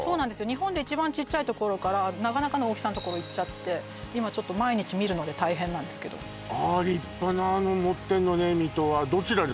日本で一番ちっちゃいところからなかなかの大きさのところ行って今ちょっと毎日見るので大変なんですけどああ立派なの持ってんのね水戸はどちらで？